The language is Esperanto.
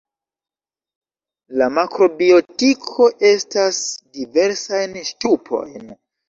La makrobiotiko konas diversajn ŝtupojn.